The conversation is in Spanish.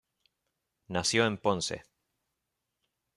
Nació en Ponce.